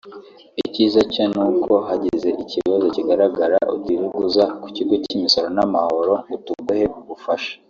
Icyiza cyo ni uko hagize ikibazo kigaragara utirirwa uza ku kigo cy’imisoro n’amahoro ngo tuguhe ubufasha